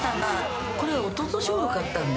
これはおととしごろ買ったんで。